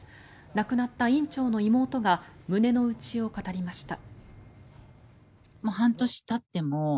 亡くなった院長の妹が胸の内を語りました。